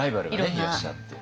いらっしゃって。